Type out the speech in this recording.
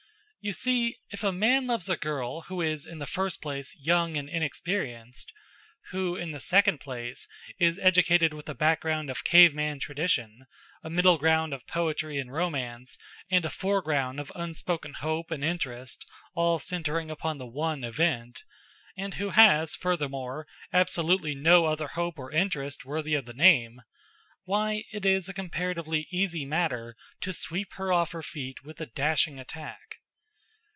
You see, if a man loves a girl who is in the first place young and inexperienced; who in the second place is educated with a background of caveman tradition, a middle ground of poetry and romance, and a foreground of unspoken hope and interest all centering upon the one Event; and who has, furthermore, absolutely no other hope or interest worthy of the name why, it is a comparatively easy matter to sweep her off her feet with a dashing attack.